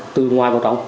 từ ngoài vào trong